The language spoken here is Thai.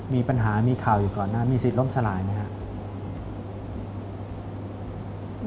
มีปัญหามีข่าวอยู่ก่อนหน้ามีสิทธิ์ล้มสลายไหมครับ